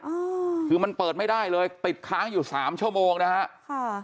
อ่าคือมันเปิดไม่ได้เลยติดค้างอยู่สามชั่วโมงนะฮะค่ะ